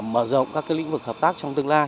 mở rộng các lĩnh vực hợp tác trong tương lai